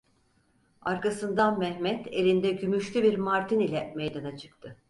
Arkasından Mehmet elinde gümüşlü bir martin ile meydana çıktı.